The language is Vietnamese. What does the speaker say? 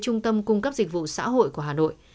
trung tâm cung cấp dịch vụ xã hội của hà nội